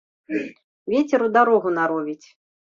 Вецер у дарогу наровіць.